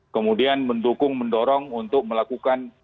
kemudian mendukung mendorong untuk melakukan